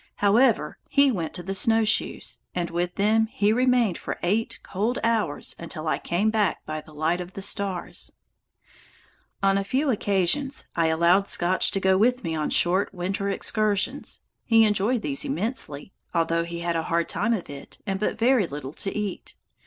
However, he went to the snowshoes, and with them he remained for eight cold hours until I came back by the light of the stars. On a few occasions I allowed Scotch to go with me on short winter excursions. He enjoyed these immensely, although he had a hard time of it and but very little to eat.